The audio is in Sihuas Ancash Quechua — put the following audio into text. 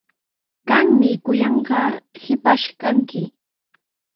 Qami kuyanqaa shipash kanki.